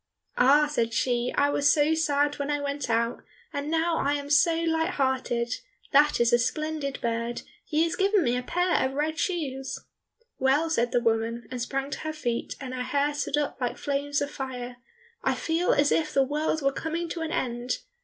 "Ah," said she, "I was so sad when I went out and now I am so light hearted; that is a splendid bird, he has given me a pair of red shoes!" "Well," said the woman, and sprang to her feet and her hair stood up like flames of fire, "I feel as if the world were coming to an end!